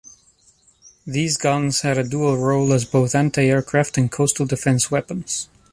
These guns had a dual role as both anti-aircraft and coastal defence weapons.